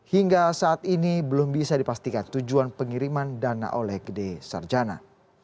hingga saat ini belum bisa dipastikan tujuan pengiriman dana oleh gede sarjana